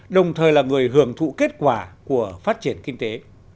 đồng thời là người hưởng thụ kết quả của phát triển kinh tế